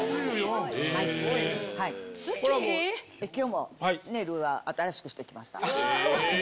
今日もネイルは新しくしてきました。